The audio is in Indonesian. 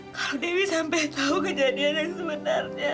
kalo dewi sampe tau kejadian yang sebenarnya